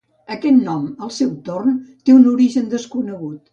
Aquest nom al seu torn té un origen desconegut.